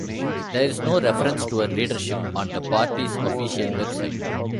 There is no reference to her leadership on the party's official website.